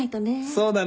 そうだな。